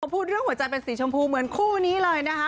พูดเรื่องหัวใจเป็นสีชมพูเหมือนคู่นี้เลยนะคะ